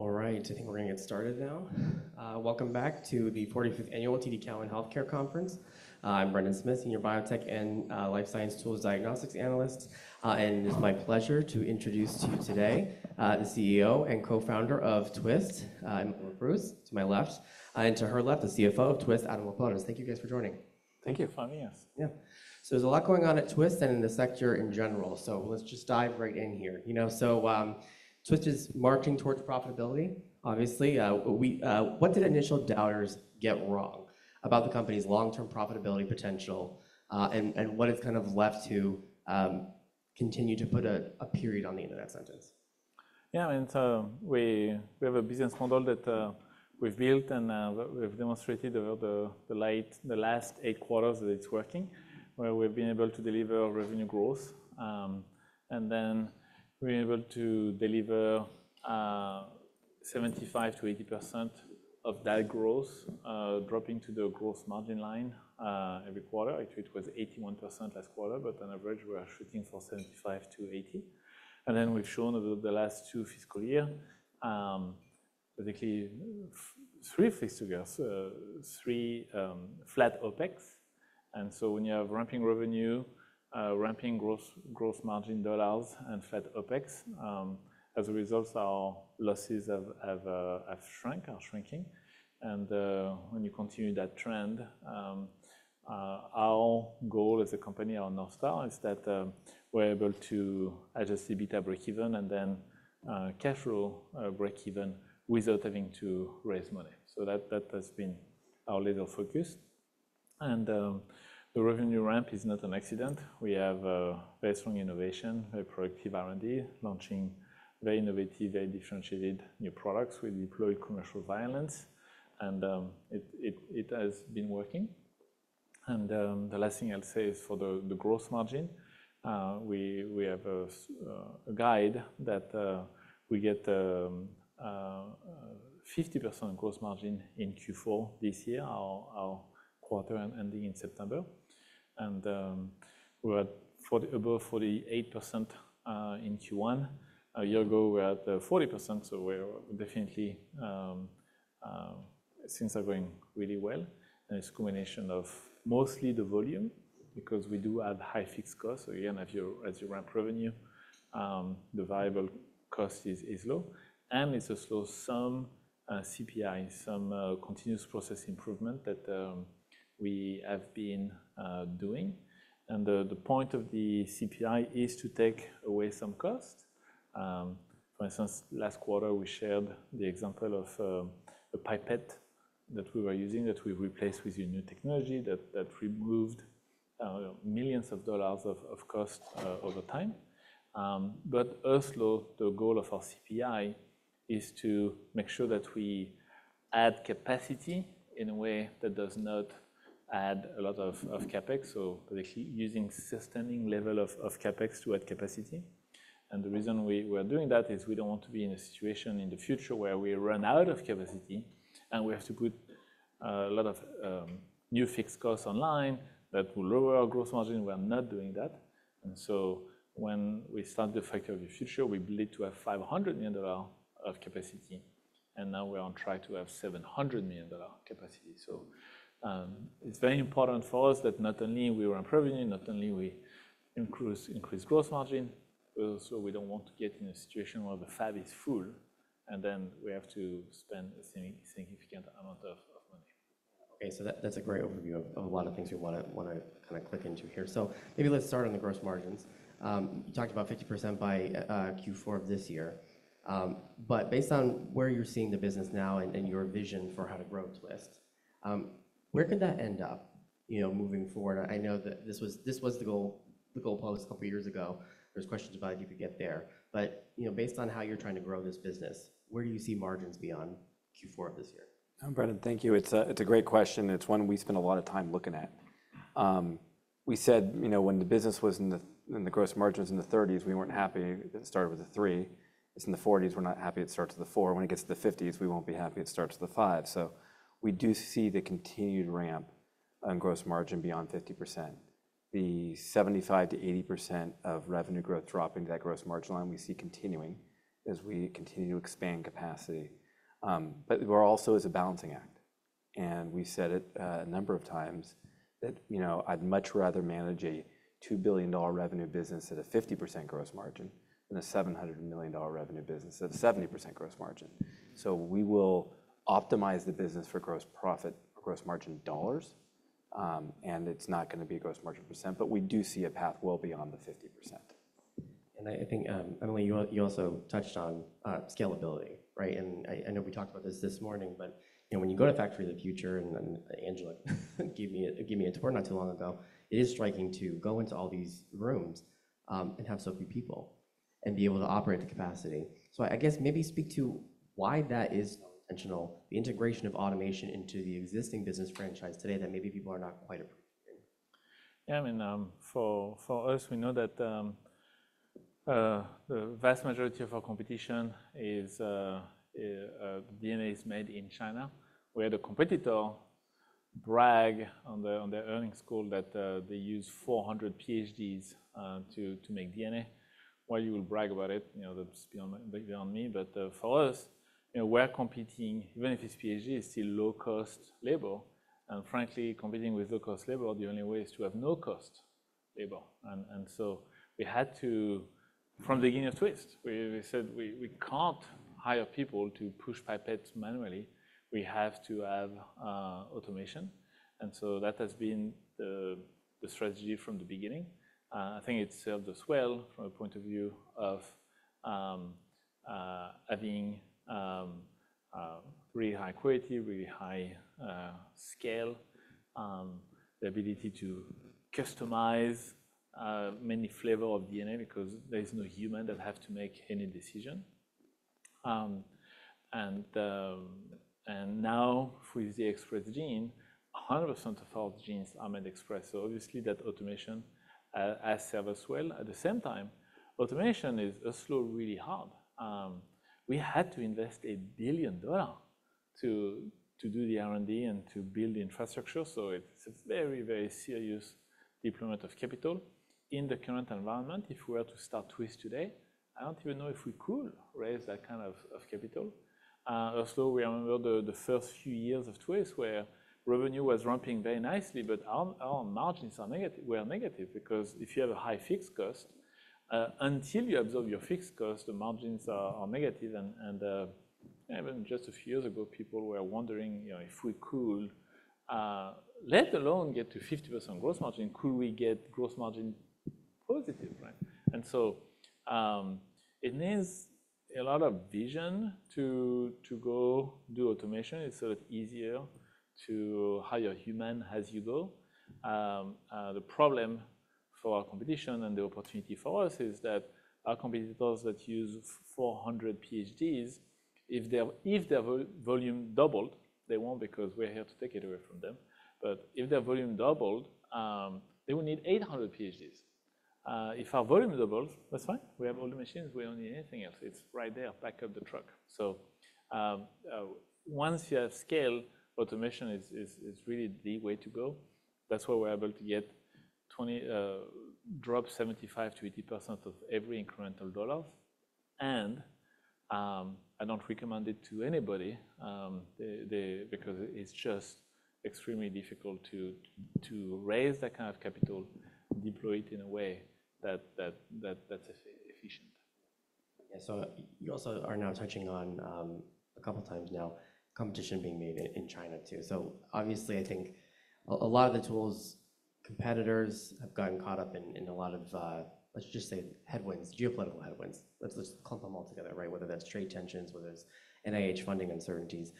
All right, I think we're going to get started now. Welcome back to the 45th Annual TD Cowen Healthcare Conference. I'm Brendan Smith, Senior Biotech and Life Science Tools Diagnostics Analyst, and it's my pleasure to introduce to you today the CEO and co-founder of Twist, Emily Leproust, to my left, and to her left, the CFO of Twist, Adam Laponis. Thank you, guys, for joining. Thank you for having us. Yeah. There is a lot going on at Twist and in the sector in general. Let's just dive right in here. You know, Twist is marching towards profitability, obviously. What did initial doubters get wrong about the company's long-term profitability potential, and what has kind of left to continue to put a period on the end of that sentence? Yeah, I mean, so we have a business model that we've built and we've demonstrated over the last eight quarters that it's working, where we've been able to deliver revenue growth. Then we're able to deliver 75%-80% of that growth, dropping to the gross margin line every quarter. I think it was 81% last quarter, but on average, we're shooting for 75%-80%. Then we've shown over the last two fiscal years, basically three fiscal years, three flat OPEX. When you have ramping revenue, ramping gross margin dollars, and flat OPEX, as a result, our losses have shrunk, are shrinking. When you continue that trend, our goal as a company on our style is that we're able to adjust EBITDA breakeven and then cash flow breakeven without having to raise money. That has been our little focus. The revenue ramp is not an accident. We have very strong innovation, very productive R&D, launching very innovative, very differentiated new products. We deployed commercial violence, and it has been working. The last thing I'll say is for the gross margin, we have a guide that we get 50% gross margin in Q4 this year, our quarter ending in September. We're at above 48% in Q1. A year ago, we're at 40%. We're definitely, things are going really well. It's a combination of mostly the volume, because we do have high fixed costs. Again, as you ramp revenue, the variable cost is low. It's a slow some CPI, some continuous process improvement that we have been doing. The point of the CPI is to take away some cost. For instance, last quarter, we shared the example of a pipette that we were using that we've replaced with a new technology that removed millions of dollars of cost over time. The goal of our CPI is to make sure that we add capacity in a way that does not add a lot of CapEx. Basically using sustaining level of CapEx to add capacity. The reason we are doing that is we don't want to be in a situation in the future where we run out of capacity and we have to put a lot of new fixed costs online that will lower our gross margin. We're not doing that. When we start the factory of the future, we believe to have $500 million of capacity. Now we're on track to have $700 million capacity. It is very important for us that not only we ramp revenue, not only we increase gross margin, but also we do not want to get in a situation where the fab is full and then we have to spend a significant amount of money. Okay, that's a great overview of a lot of things we want to kind of click into here. Maybe let's start on the gross margins. You talked about 50% by Q4 of this year. Based on where you're seeing the business now and your vision for how to grow Twist, where could that end up moving forward? I know that this was the goalpost a couple of years ago. There's questions about if you could get there. Based on how you're trying to grow this business, where do you see margins beyond Q4 of this year? Brendan, thank you. It's a great question. It's one we spend a lot of time looking at. We said when the business was in the gross margins in the 30s, we weren't happy that it started with a three. It's in the 40s, we're not happy it starts with a four. When it gets to the 50s, we won't be happy it starts with a five. We do see the continued ramp in gross margin beyond 50%. The 75%-80% of revenue growth dropping to that gross margin line, we see continuing as we continue to expand capacity. We're also as a balancing act. We said it a number of times that I'd much rather manage a $2 billion revenue business at a 50% gross margin than a $700 million revenue business at a 70% gross margin. We will optimize the business for gross profit or gross margin dollars. It's not going to be a gross margin %, but we do see a path well beyond the 50%. I think, Emily, you also touched on scalability, right? I know we talked about this this morning, but when you go to Factory of the Future, and then Angela gave me a tour not too long ago, it is striking to go into all these rooms and have so few people and be able to operate the capacity. I guess maybe speak to why that is so intentional, the integration of automation into the existing business franchise today that maybe people are not quite appreciating. Yeah, I mean, for us, we know that the vast majority of our competition is DNA is made in China. We had a competitor brag on their earnings call that they use 400 PhDs to make DNA. Why you would brag about it, that's beyond me. For us, we're competing, even if it's PhD, it's still low-cost labor. Frankly, competing with low-cost labor, the only way is to have no-cost labor. We had to, from the beginning of Twist, we said we can't hire people to push pipettes manually. We have to have automation. That has been the strategy from the beginning. I think it served us well from a point of view of having really high quality, really high scale, the ability to customize many flavors of DNA because there is no human that has to make any decision. Now with the Express Gene, 100% of our genes are made express. Obviously that automation has served us well. At the same time, automation is also really hard. We had to invest $1 billion to do the R&D and to build the infrastructure. It is a very, very serious deployment of capital. In the current environment, if we were to start Twist today, I do not even know if we could raise that kind of capital. Also, we remember the first few years of Twist where revenue was ramping very nicely, but our margins were negative because if you have a high fixed cost, until you absorb your fixed cost, the margins are negative. Even just a few years ago, people were wondering if we could, let alone get to 50% gross margin, could we get gross margin positive, right? It needs a lot of vision to go do automation. It's a little easier to hire a human as you go. The problem for our competition and the opportunity for us is that our competitors that use 400 PhDs, if their volume doubled, they won't because we're here to take it away from them. If their volume doubled, they will need 800 PhDs. If our volume doubles, that's fine. We have all the machines. We don't need anything else. It's right there. Pack up the truck. Once you have scale, automation is really the way to go. That's why we're able to drop 75%-80% of every incremental dollar. I don't recommend it to anybody because it's just extremely difficult to raise that kind of capital, deploy it in a way that's efficient. Yeah, you also are now touching on a couple of times now competition being made in China too. Obviously, I think a lot of the tools competitors have gotten caught up in a lot of, let's just say, headwinds, geopolitical headwinds. Let's clump them all together, right? Whether that's trade tensions, whether it's NIH funding uncertainties.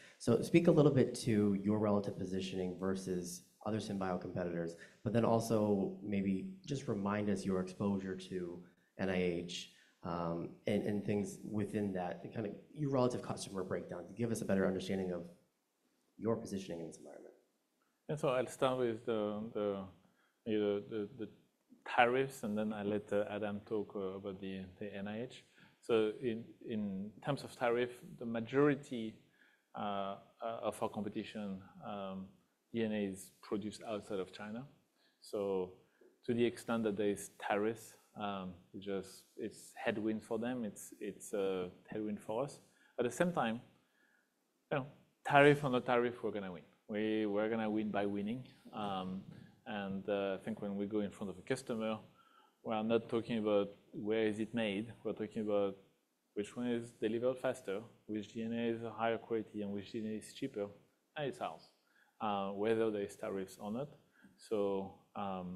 Speak a little bit to your relative positioning versus other Simbio competitors, but then also maybe just remind us your exposure to NIH and things within that, kind of your relative customer breakdown to give us a better understanding of your positioning in this environment. I'll start with the tariffs, and then I'll let Adam talk about the NIH. In terms of tariff, the majority of our competition, DNA is produced outside of China. To the extent that there are tariffs, it's a headwind for them. It's a headwind for us. At the same time, tariff or no tariff, we're going to win. We're going to win by winning. I think when we go in front of a customer, we're not talking about where it is made. We're talking about which one is delivered faster, which DNA is a higher quality, and which DNA is cheaper. It's ours, whether there are tariffs or not.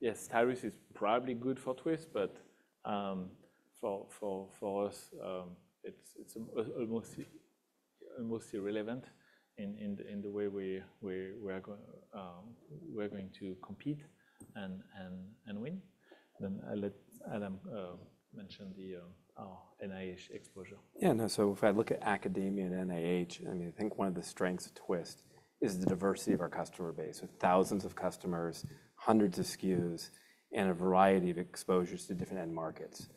Yes, tariffs are probably good for Twist, but for us, it's almost irrelevant in the way we're going to compete and win. I'll let Adam mention our NIH exposure. Yeah, and so if I look at academia and NIH, I mean, I think one of the strengths of Twist is the diversity of our customer base with thousands of customers, hundreds of SKUs, and a variety of exposures to different end markets.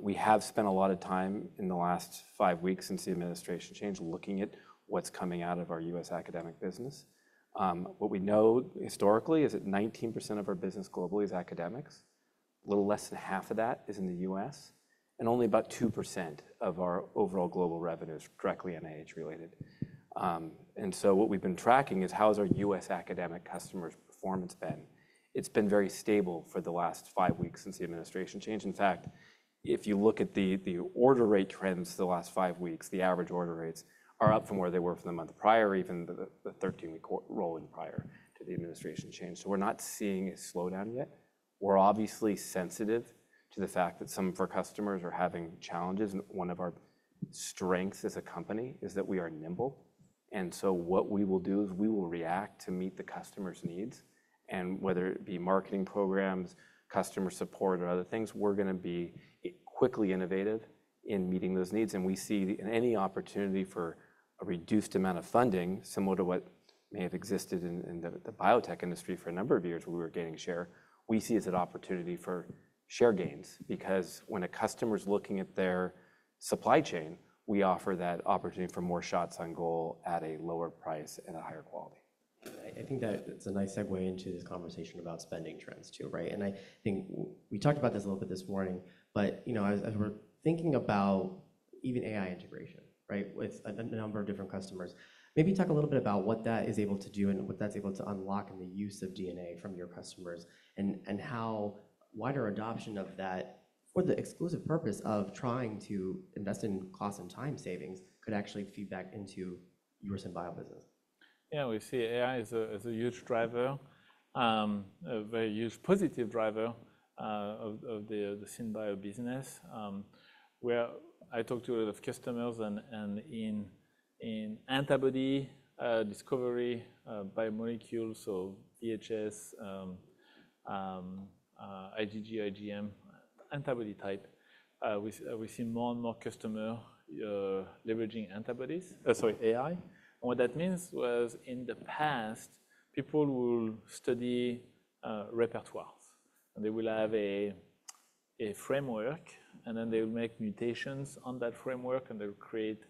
We have spent a lot of time in the last five weeks since the administration changed looking at what's coming out of our US academic business. What we know historically is that 19% of our business globally is academics. A little less than half of that is in the U.S., and only about 2% of our overall global revenue is directly NIH related. What we've been tracking is how has our U.S. academic customers' performance been. It's been very stable for the last five weeks since the administration changed. In fact, if you look at the order rate trends the last five weeks, the average order rates are up from where they were from the month prior, even the 13-week rolling prior to the administration change. We are not seeing a slowdown yet. We are obviously sensitive to the fact that some of our customers are having challenges. One of our strengths as a company is that we are nimble. What we will do is we will react to meet the customer's needs. Whether it be marketing programs, customer support, or other things, we are going to be quickly innovative in meeting those needs. We see any opportunity for a reduced amount of funding, similar to what may have existed in the biotech industry for a number of years where we were gaining share, we see as an opportunity for share gains. Because when a customer is looking at their supply chain, we offer that opportunity for more shots on goal at a lower price and a higher quality. I think that's a nice segue into this conversation about spending trends too, right? I think we talked about this a little bit this morning, but as we're thinking about even AI integration, right, with a number of different customers, maybe talk a little bit about what that is able to do and what that's able to unlock in the use of DNA from your customers and how wider adoption of that for the exclusive purpose of trying to invest in cost and time savings could actually feed back into your Simbio business. Yeah, we see AI as a huge driver, a very huge positive driver of the Simbio business. I talked to a lot of customers, and in antibody discovery biomolecules, so VHH, IgG, IgM, antibody type, we see more and more customers leveraging antibodies, sorry, AI. What that means was in the past, people will study repertoires. They will have a framework, and then they will make mutations on that framework, and they will create,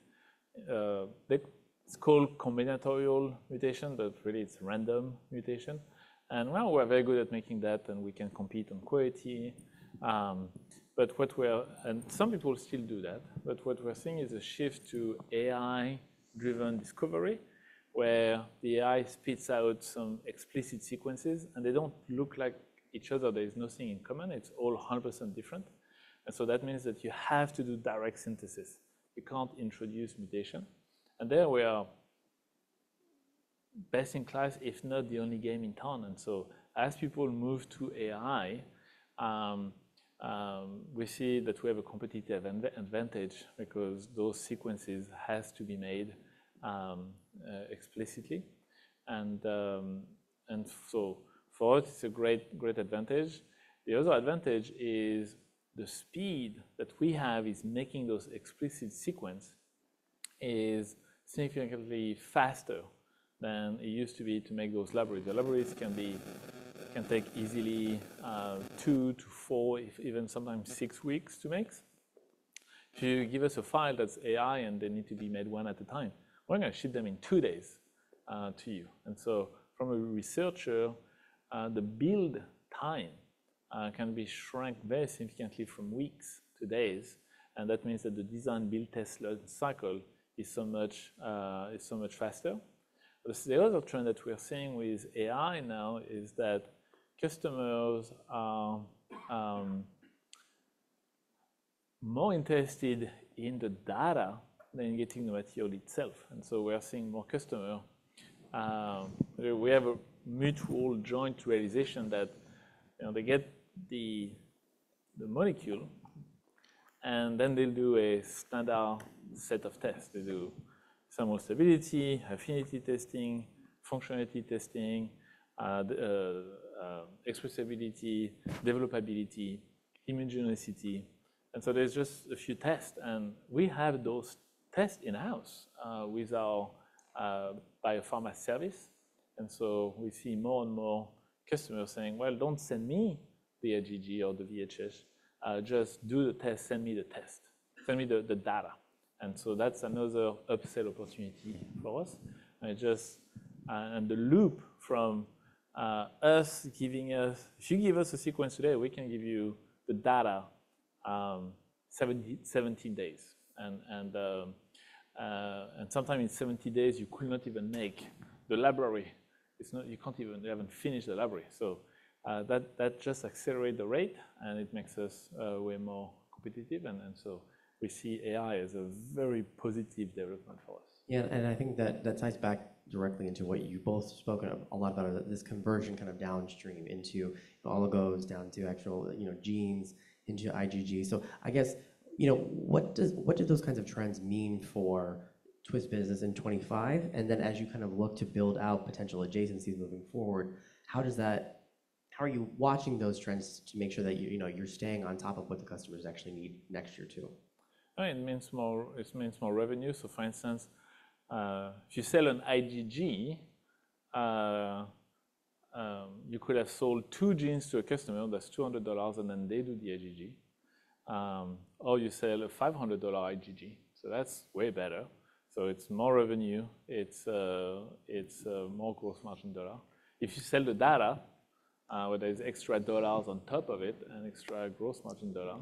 it's called combinatorial mutation, but really it's random mutation. Now we're very good at making that, and we can compete on quality. Some people still do that, but what we're seeing is a shift to AI-driven discovery where the AI spits out some explicit sequences, and they do not look like each other. There is nothing in common. It's all 100% different. That means that you have to do direct synthesis. You can't introduce mutation. There we are best in class, if not the only game in town. As people move to AI, we see that we have a competitive advantage because those sequences have to be made explicitly. For us, it's a great advantage. The other advantage is the speed that we have is making those explicit sequences significantly faster than it used to be to make those libraries. The libraries can take easily two to four, even sometimes six weeks to make. If you give us a file that's AI and they need to be made one at a time, we're going to ship them in two days to you. From a researcher, the build time can be shrunk very significantly from weeks to days. That means that the design-build test cycle is so much faster. The other trend that we're seeing with AI now is that customers are more interested in the data than getting the material itself. We're seeing more customers. We have a mutual joint realization that they get the molecule, and then they'll do a standard set of tests. They do thermal stability, affinity testing, functionality testing, expressibility, developability, immunogenicity. There's just a few tests. We have those tests in-house with our biopharma service. We see more and more customers saying, you know, don't send me the IgG or the VHH. Just do the test. Send me the test. Send me the data. That's another upsell opportunity for us. The loop from us giving us if you give us a sequence today, we can give you the data in 70 days. Sometimes in 70 days, you could not even make the library. You can't even finish the library. That just accelerates the rate, and it makes us way more competitive. We see AI as a very positive development for us. Yeah, and I think that ties back directly into what you've both spoken a lot about, this conversion kind of downstream into oligos, down to actual genes, into IgG. I guess, what do those kinds of trends mean for Twist Bioscience in 2025? And then as you kind of look to build out potential adjacencies moving forward, how are you watching those trends to make sure that you're staying on top of what the customers actually need next year too? It means more revenue. For instance, if you sell an IgG, you could have sold two genes to a customer. That's $200, and then they do the IgG. Or you sell a $500 IgG. That's way better. It's more revenue. It's more gross margin dollar. If you sell the data, where there's extra dollars on top of it and extra gross margin dollar,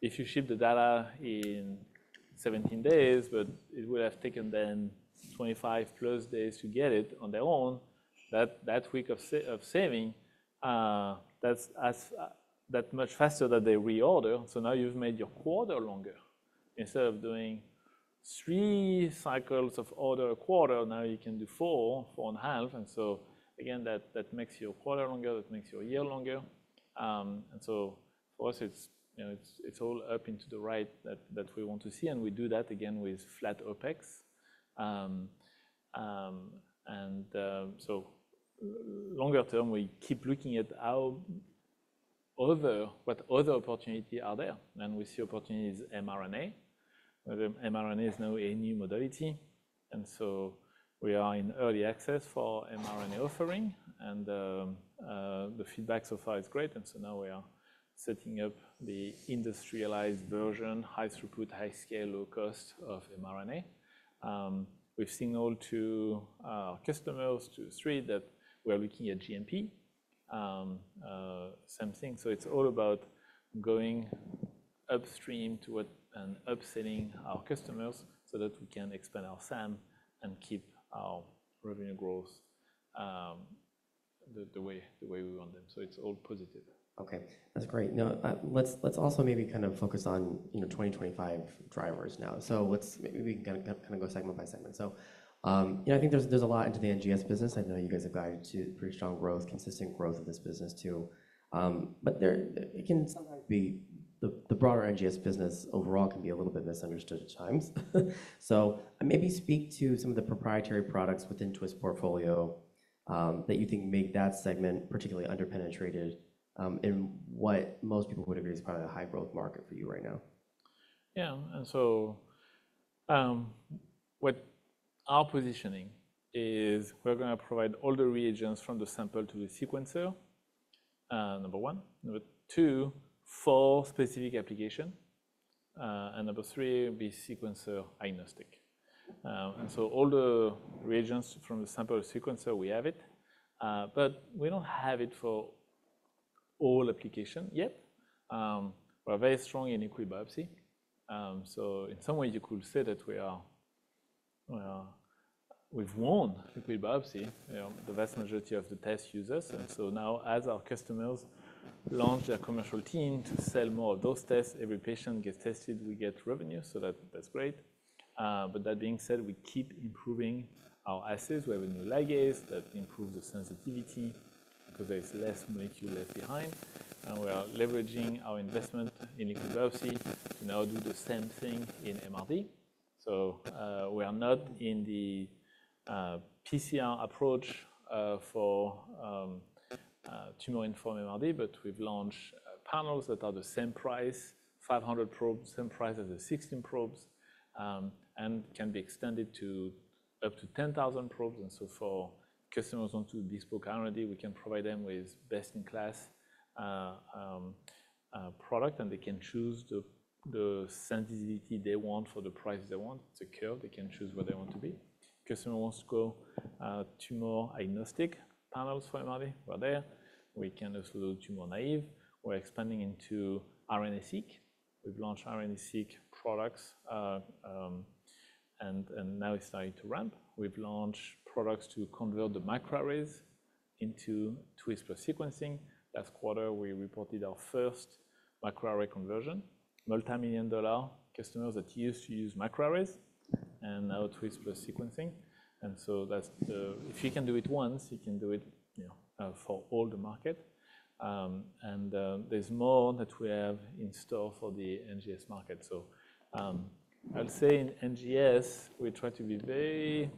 if you ship the data in 17 days, but it would have taken them 25 plus days to get it on their own, that week of saving, that's much faster that they reorder. Now you've made your quarter longer. Instead of doing three cycles of order a quarter, now you can do four, four and a half. Again, that makes your quarter longer. That makes your year longer. For us, it's all up into the right that we want to see. We do that again with flat OPEX. Longer term, we keep looking at what other opportunities are there. We see opportunities in mRNA. mRNA is now a new modality. We are in early access for mRNA offering. The feedback so far is great. Now we are setting up the industrialized version, high throughput, high scale, low cost of mRNA. We've signaled to our customers, to Sweden, that we're looking at GMP, same thing. It's all about going upstream to it and upselling our customers so that we can expand our SAM and keep our revenue growth the way we want them. It's all positive. Okay, that's great. Now, let's also maybe kind of focus on 2025 drivers now. Maybe we can kind of go segment by segment. I think there's a lot into the NGS business. I know you guys have gotten to pretty strong growth, consistent growth of this business too. It can sometimes be the broader NGS Business overall can be a little bit misunderstood at times. Maybe speak to some of the proprietary products within Twist's portfolio that you think make that segment particularly underpenetrated in what most people would agree is probably a high-growth market for you right now. Yeah, and so what our positioning is, we're going to provide all the reagents from the sample to the sequencer, number one. Number two, for specific application. Number three, be sequencer agnostic. All the reagents from the sample sequencer, we have it. We don't have it for all applications yet. We're very strong in liquid biopsy. In some ways, you could say that we've won liquid biopsy, the vast majority of the test users. Now, as our customers launch their commercial team to sell more of those tests, every patient gets tested, we get revenue. That's great. That being said, we keep improving our assays. We have a new ligase that improves the sensitivity because there's less molecule left behind. We are leveraging our investment in liquid biopsy to now do the same thing in MRD. We are not in the PCR approach for tumor-informed MRD, but we've launched panels that are the same price, 500 probes, same price as the 16 probes, and can be extended to up to 10,000 probes. For customers onto bespoke R&D, we can provide them with best-in-class product, and they can choose the sensitivity they want for the price they want. It's a curve. They can choose where they want to be. Customer wants to go tumor-agnostic panels for MRD, we're there. We can also do tumor-naive. We're expanding into RNA-seq. We've launched RNA-seq products, and now it's starting to ramp. We've launched products to convert the macroarrays into Twist Bioscience sequencing. Last quarter, we reported our first macroarray conversion, multimillion-dollar customers that used to use macroarrays and now Twist Bioscience sequencing. If you can do it once, you can do it for all the market. There is more that we have in store for the NGS market. I will say in NGS, we try to be very,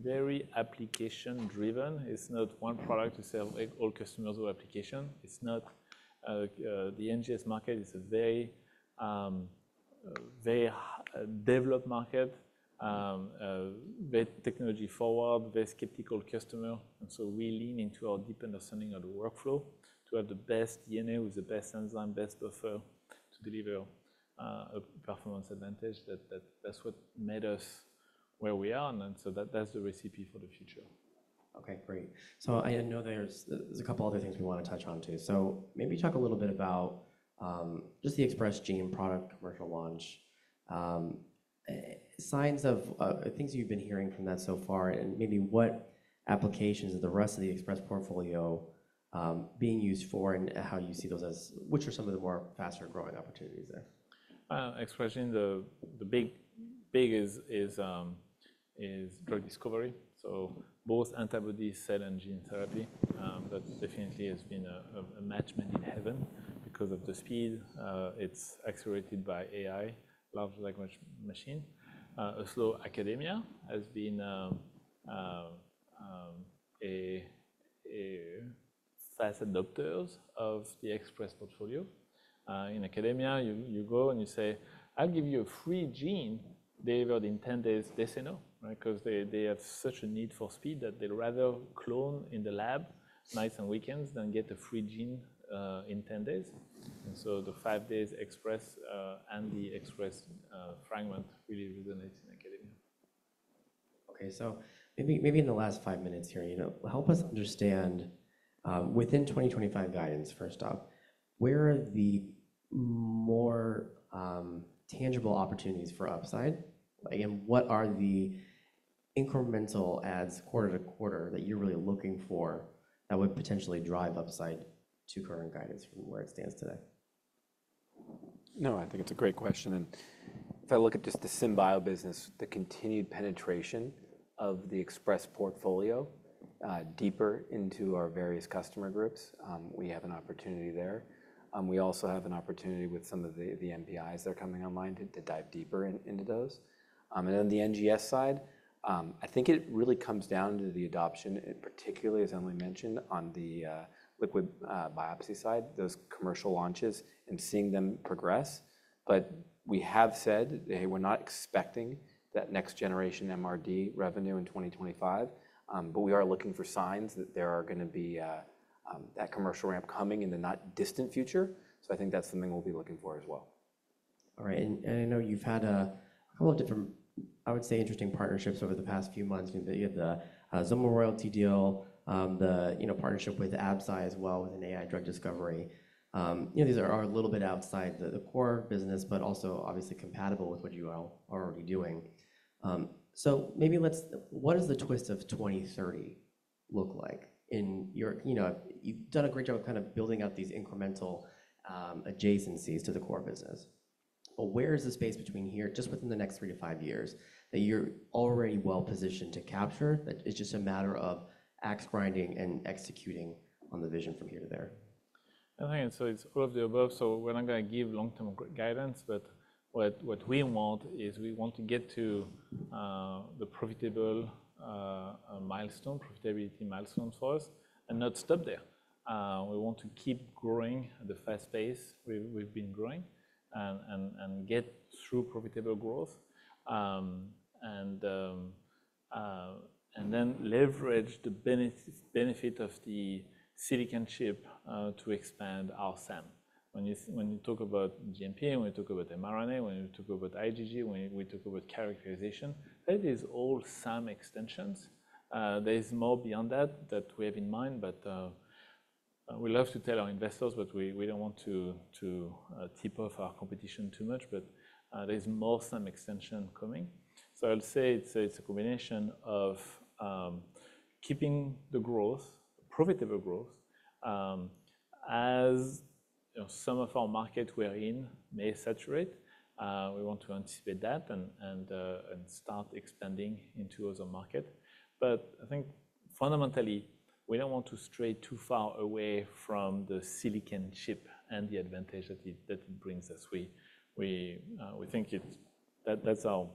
very application-driven. It is not one product to sell all customers or application. The NGS market is a very developed market, very technology-forward, very skeptical customer. We lean into our deep understanding of the workflow to have the best DNA with the best enzyme, best buffer to deliver a performance advantage. That is what made us where we are. That is the recipe for the future. Okay, great. I know there's a couple other things we want to touch on too. Maybe talk a little bit about just the Express Gene product commercial launch, things you've been hearing from that so far, and maybe what applications of the rest of the Express Portfolio are being used for and how you see those as which are some of the more faster growing opportunities there? Express Gene, the big is drug discovery. Both antibody cell and gene therapy, that definitely has been a match made in heaven because of the speed. It's accelerated by AI, large language machine. Slow Academia has been a fast adopter of the Express portfolio. In Academia, you go and you say, I'll give you a free gene delivered in 10 days decennial, because they have such a need for speed that they'd rather clone in the lab, nights and weekends, than get a free gene in 10 days. The five days Express and the Express fragment really resonates in Academia. Okay, maybe in the last five minutes here, help us understand within 2025 guidance, first off, where are the more tangible opportunities for upside? Again, what are the incremental ads quarter to quarter that you're really looking for that would potentially drive upside to current guidance from where it stands today? No, I think it's a great question. If I look at just the SimBio business, the continued penetration of the Express portfolio deeper into our various customer groups, we have an opportunity there. We also have an opportunity with some of the MPIs that are coming online to dive deeper into those. On the NGS side, I think it really comes down to the adoption, particularly, as Emily mentioned, on the liquid biopsy side, those commercial launches and seeing them progress. We have said, hey, we're not expecting that next-generation MRD revenue in 2025, but we are looking for signs that there are going to be that commercial ramp coming in the not distant future. I think that's something we'll be looking for as well. All right. I know you've had a couple of different, I would say, interesting partnerships over the past few months. You had the Zumba royalty deal, the partnership with Absci as well with an AI drug discovery. These are a little bit outside the core business, but also obviously compatible with what you are already doing. Maybe let's, what does the Twist of 2030 look like? You've done a great job of kind of building out these incremental adjacencies to the core business. Where is the space between here, just within the next three to five years, that you're already well positioned to capture? It's just a matter of ax grinding and executing on the vision from here to there? I think it's all of the above. We're not going to give long-term guidance, but what we want is we want to get to the profitable milestone, profitability milestone first, and not stop there. We want to keep growing at the fast pace we've been growing and get through profitable growth and then leverage the benefit of the silicon chip to expand our SAM. When you talk about GMP, when you talk about mRNA, when you talk about IgG, when we talk about characterization, that is all SAM extensions. There's more beyond that that we have in mind, that we love to tell our investors, but we don't want to tip off our competition too much. There's more SAM extension coming. I'll say it's a combination of keeping the growth, profitable growth, as some of our market we're in may saturate. We want to anticipate that and start expanding into other markets. I think fundamentally, we do not want to stray too far away from the silicon chip and the advantage that it brings us. We think that is our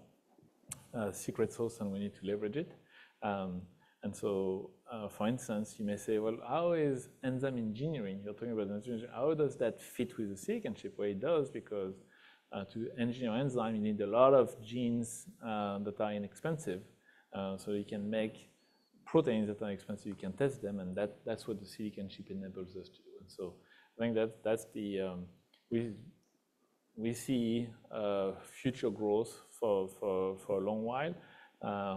secret sauce, and we need to leverage it. For instance, you may say, well, how is enzyme engineering? You are talking about enzyme engineering. How does that fit with the silicon chip? It does, because to engineer enzyme, you need a lot of genes that are inexpensive. You can make proteins that are inexpensive. You can test them, and that is what the silicon chip enables us to do. I think that is where we see future growth for a long while.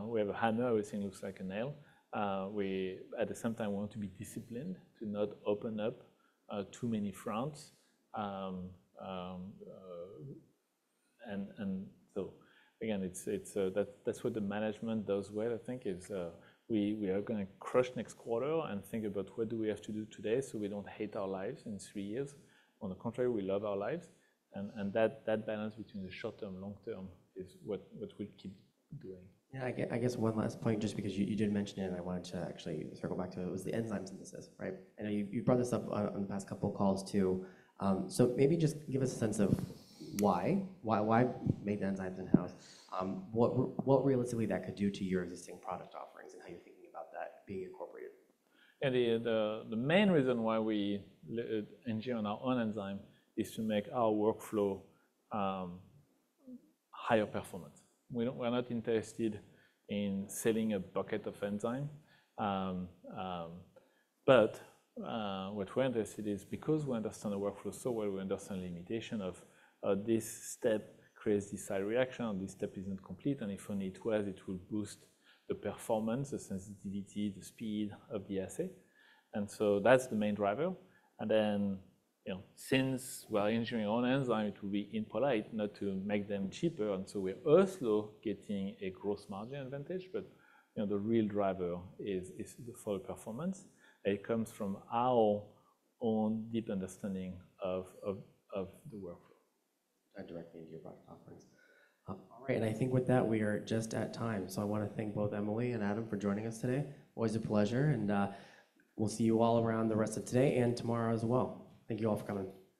We have a hammer. Everything looks like a nail. At the same time, we want to be disciplined to not open up too many fronts. That is what the management does well, I think, is we are going to crush next quarter and think about what do we have to do today so we do not hate our lives in three years. On the contrary, we love our lives. That balance between the short term and long term is what we keep doing. Yeah, I guess one last point, just because you did mention it, and I wanted to actually circle back to it, was the enzyme synthesis, right? I know you brought this up on the past couple of calls too. Maybe just give us a sense of why, why make the enzymes in-house, what realistically that could do to your existing product offerings and how you're thinking about that being incorporated. The main reason why we engineer on our own enzyme is to make our workflow higher performance. We're not interested in selling a bucket of enzyme. What we're interested in is because we understand the workflow so well, we understand the limitation of this step creates this side reaction, and this step isn't complete. If only it was, it would boost the performance, the sensitivity, the speed of the assay. That's the main driver. Since we're engineering on enzyme, it would be impolite not to make them cheaper. We're also getting a gross margin advantage, but the real driver is the full performance. It comes from our own deep understanding of the workflow. That directly into your product offerings. All right, I think with that, we are just at time. I want to thank both Emily and Adam for joining us today. Always a pleasure. We will see you all around the rest of today and tomorrow as well. Thank you all for coming.